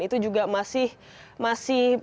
itu juga masih